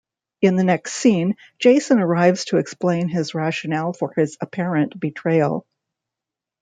In the next scene Jason arrives to explain his rationale for his apparent betrayal.